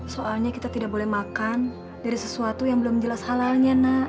soalnya kita tidak boleh makan dari sesuatu yang belum jelas halalnya nak